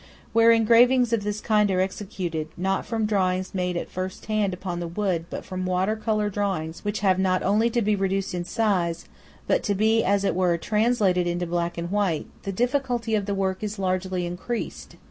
Where engravings of this kind are executed, not from drawings made at first hand upon the wood, but from water colour drawings which have not only to be reduced in size, but to be, as it were, translated into black and white, the difficulty of the work is largely increased.